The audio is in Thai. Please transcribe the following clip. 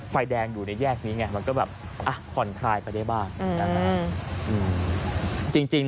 ไฟแดงอยู่ในแยกนี้ไงมันก็แบบอะหอนทรายไปได้บ้างจริงจริง